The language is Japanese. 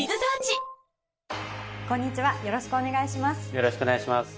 よろしくお願いします。